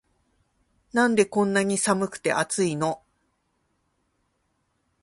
なんでこんなに寒くて熱いの